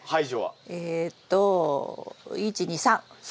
えっと１２３。